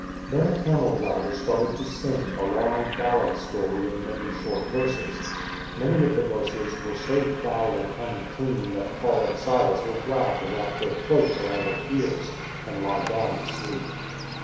Then a camel driver started to sing a long ballad story in many short verses; many of the verses were so foul and unclean that Paul and Silas were glad to wrap their cloaks around their ears and lie down to sleep.